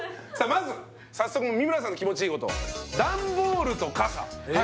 まず早速三村さんの気持ちいいコト段ボールと傘？